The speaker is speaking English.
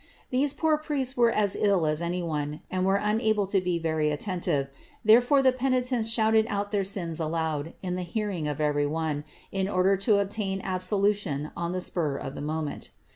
These poor priests were as ill as any one, and were unable to be very attentive ; therefore the penitents shouted out their sins aloud, in the hearing of ever}' one, in order to obtain absoln tion on the spur of the moment.